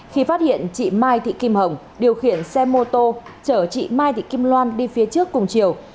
khi phát hiện chị mai thị kim hồng điều khiển xe mô tô chở chị mai thị kim loan đi phía trước cùng chiều